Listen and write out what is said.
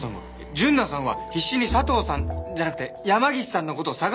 純奈さんは必死に佐藤さんじゃなくて山岸さんの事を捜してたんですよ。